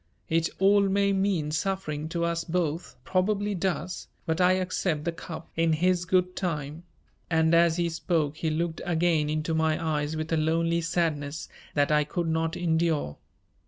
It all may mean suffering to us both, probably does, but I accept the cup in His good time," and as he spoke he looked again into my eyes with a lonely sadness that I could not endure.